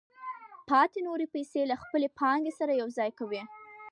پاتې نورې پیسې له خپلې پانګې سره یوځای کوي